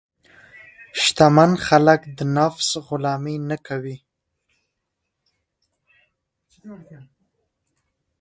شتمن خلک د نفس غلامي نه کوي.